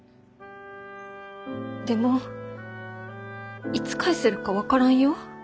でもいつ返せるか分からんよ。